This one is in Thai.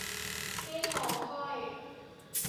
ให้ท้องค่อย